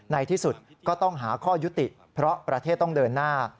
ในที่สุดก็ต้องหาข้อยุติเพราะประเทศต้องเดินหน้า